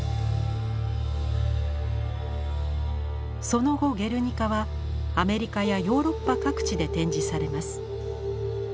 その後「ゲルニカ」はアメリカやヨーロッパ各地で展示されます。